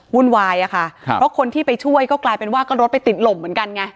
วุ่นวายอะค่ะครับเพราะคนที่ไปช่วยก็กลายเป็นว่าก็รถไปติดลมเหมือนกันไง